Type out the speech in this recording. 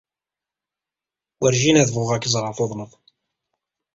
Werjin ad bɣuɣ ad k-ẓreɣ tuḍneḍ.